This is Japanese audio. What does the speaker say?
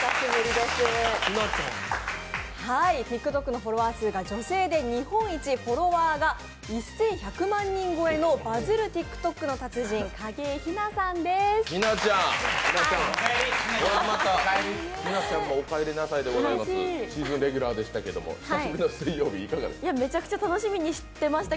ＴｉｋＴｏｋのフォロワー数が女性で日本一、フォロワーが１２００万人超えのバズるＴｉｋＴｏｋの達人、ひなちゃんもお帰りなさいでございます。